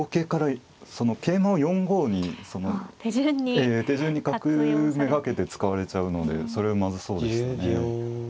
ええ手順に角目がけて使われちゃうのでそれはまずそうでしたね。